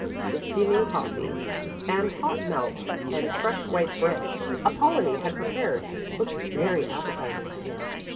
The steaming coffee and hot milk and the fresh white bread Apollonie had prepared looked very appetizing to him.